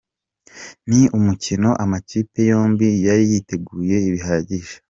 Ni umukino amakipe yombi yari yiteguye bihagije .